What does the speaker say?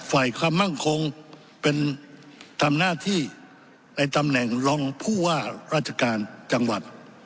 ความมั่งคงเป็นทำหน้าที่ในตำแหน่งรองผู้ว่าราชการจังหวัด